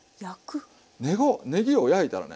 ねぎを焼いたらね